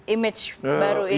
image baru ini